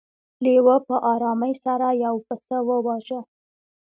لیوه په ارامۍ سره یو پسه وواژه.